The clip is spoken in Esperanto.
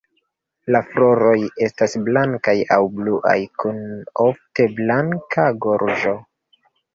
La floroj estas blankaj aŭ bluaj kun ofte blanka gorĝo.